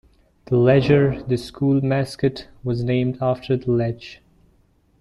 The Ledger, the school mascot, was named after The Ledge.